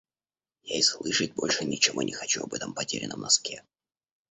Я и слышать больше ничего не хочу об этом потерянном носке!